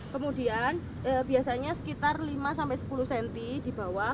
kemudian biasanya sekitar lima sampai sepuluh cm di bawah